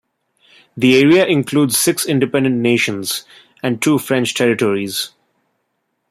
The area includes six independent nations, and two French territories.